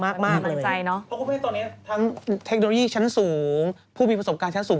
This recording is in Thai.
เพราะคุณแม่ตอนนี้ทั้งเทคโนโลยีชั้นสูงผู้มีประสบการณ์ชั้นสูง